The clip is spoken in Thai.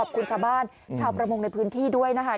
ขอบคุณชาวบ้านชาวประมงในพื้นที่ด้วยนะคะ